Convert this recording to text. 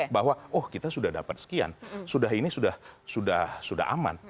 bahwa oh kita sudah dapat sekian sudah ini sudah aman